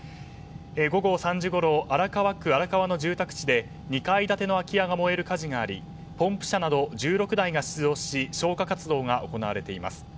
午後３時ごろ荒川区荒川の住宅地で２階建ての空き家が燃える火事がありポンプ車など１６台が出動し消火活動が行われています。